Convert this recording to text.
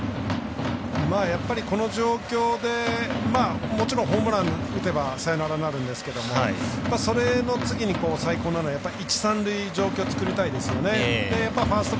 やっぱりこの状況でもちろん、ホームラン打てばサヨナラになるんですけどそれの次に、最高なのは一塁三塁という状況作りたいですよね。